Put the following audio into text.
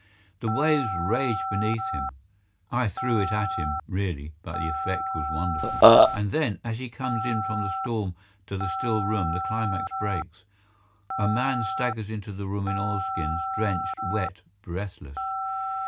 The waves rage beneath him. (I threw it at him, really, but the effect was wonderful.) And then, as he comes in from the storm to the still room, the climax breaks. A man staggers into the room in oilskins, drenched, wet, breathless.